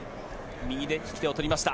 右で引き手を取りました。